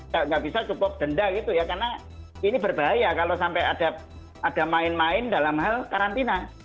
nggak bisa cukup denda gitu ya karena ini berbahaya kalau sampai ada main main dalam hal karantina